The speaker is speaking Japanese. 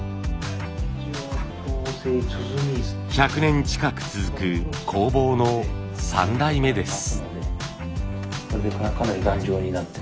１００年近く続く工房の３代目です。